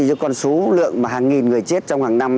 cái con số lượng mà hàng nghìn người chết trong hàng năm